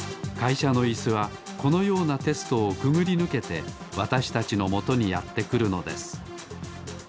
いしゃのイスはこのようなテストをくぐりぬけてわたしたちのもとにやってくるのです。